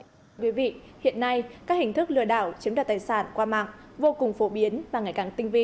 thưa quý vị hiện nay các hình thức lừa đảo chiếm đoạt tài sản qua mạng vô cùng phổ biến và ngày càng tinh vi